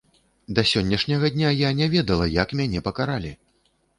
Да сённяшняга дня я не ведала, як мяне пакаралі!